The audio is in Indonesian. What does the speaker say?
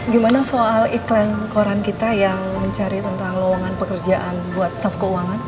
gimana soal iklan koran kita yang mencari tentang lowongan pekerjaan buat staff keuangan